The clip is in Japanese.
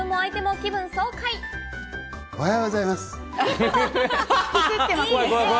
おはようございます。